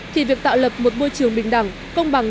thì việc tạo lập một môi trường bình đẳng công bằng